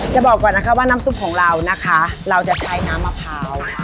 จะบอกก่อนนะคะว่าน้ำซุปของเรานะคะเราจะใช้น้ำมะพร้าว